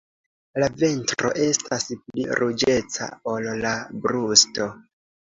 La ventro estas pli ruĝeca ol la brusto.